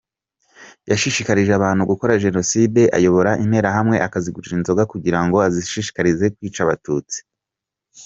Yashishikarije abantu gukora jenoside, ayobora Interahamwe, akazigurira inzoga kugira ngo azishishikarize kwica Abatutsi.